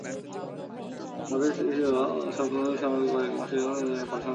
মধেশীয় সমতল ভূমির লোকজনের কয়েক মাসের আন্দোলনের জেরেই নেপাল সংবিধানে সংশোধনী আনতে যাচ্ছে।